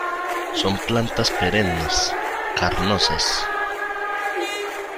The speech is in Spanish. Son plantas perennes, carnosas.